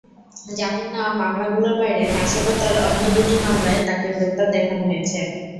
জামিন নেওয়া মামলাগুলোর বাইরে নাশকতার অন্য দুটি মামলায় তাঁকে গ্রেপ্তার দেখানো হয়েছে।